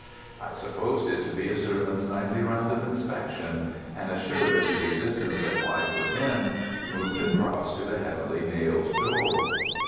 I supposed it to be a servant's nightly round of inspection, and, assured of the existence of life within, moved across to the heavily nailed door.